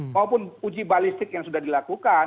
maupun uji balistik yang sudah dilakukan